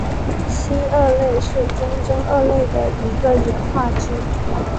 新鳄类是中真鳄类的一个演化支。